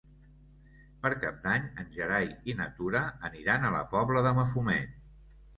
Per Cap d'Any en Gerai i na Tura aniran a la Pobla de Mafumet.